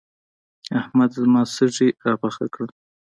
احمد زما سږي راپاخه کړل.